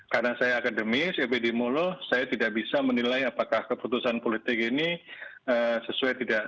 karena saya akademis epd mulu saya tidak bisa menilai apakah keputusan politik ini sesuai tidak